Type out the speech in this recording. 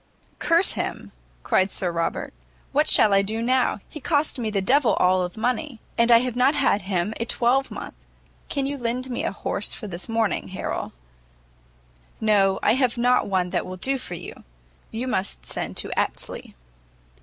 "Curse him!" cried Sir Robert, "what shall I do now? he cost me the d l and all of money, and I have not had him a twelvemonth. Can you lend me a horse for this morning, Harrel?" "No, I have not one that will do for you. You must send to Astley."